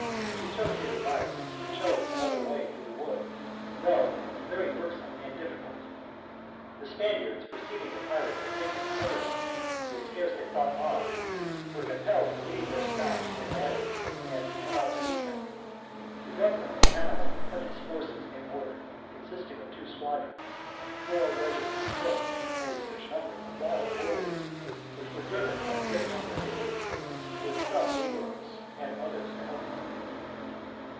He took his advice, and chose another way through the wood, though very irksome and difficult. The Spaniards perceiving the pirates had taken another way they scarce had thought on, were compelled to leave their stops and batteries, and come out to meet them. The governor of Panama put his forces in order, consisting of two squadrons, four regiments of foot, and a huge number of wild bulls, which were driven by a great number of Indians, with some negroes, and others, to help them.